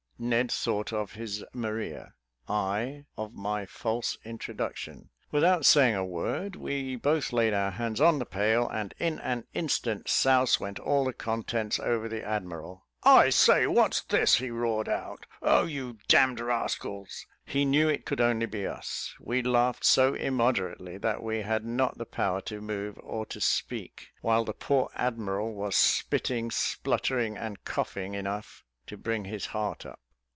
Ned thought of his Maria: I of my false introduction. Without saying a word, we both laid our hands on the pail, and in an instant, souse went all the contents over the admiral. "I say, what's this?" he roared out. "Oh, you d d rascals!" He knew it could only be us. We laughed so immoderately, that we had not the power to move or to speak; while the poor admiral was spitting, sputtering, and coughing, enough to bring his heart up.